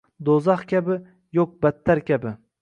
Do’zax kabi, yo’q, battar kabi…